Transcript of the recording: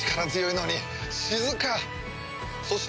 そして。